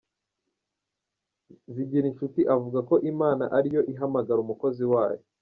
Zigirinshuti avuga ko Imana ari yo ihamagara umukozi wayo .